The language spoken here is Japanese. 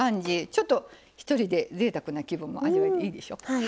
ちょっと一人でぜいたくな気分も味わえていいでしょ。